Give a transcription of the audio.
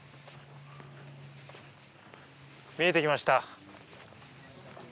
見えてきました。